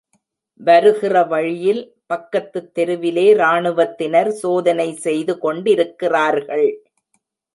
வருகிற வழியில பக்கத்துத் தெருவிலே ராணுவத்தினர் சோதனை செய்து கொண்டிருக்கிறார்கள்.